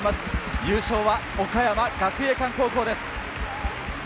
優勝は岡山学芸館高校です。